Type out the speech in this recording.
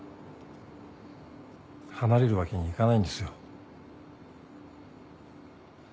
離れるわけにいかないんですよ。